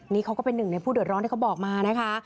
นี่เขาก็เป็นหนึ่งในผู้เดือดร้อนที่เขาบอกมานะคะ